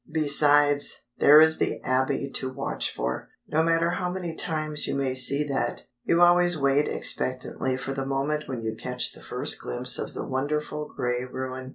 Besides, there is the "Abbey" to watch for. No matter how many times you may see that, you always wait expectantly for the moment when you catch the first glimpse of the wonderful grey ruin.